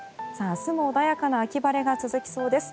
明日も穏やかな秋晴れが続きそうです。